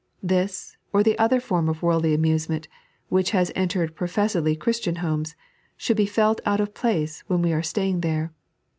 This or the other form of worldly amusement, which has entered professedly Ohristian homes, should be felt out of place when we are staying there.